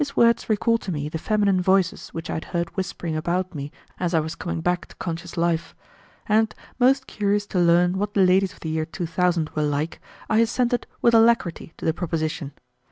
His words recalled to me the feminine voices which I had heard whispering about me as I was coming back to conscious life; and, most curious to learn what the ladies of the year 2000 were like, I assented with alacrity to the proposition.